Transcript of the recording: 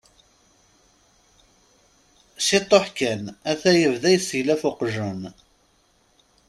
Ciṭuḥ kan, ata yebda yesseglaf uqjun.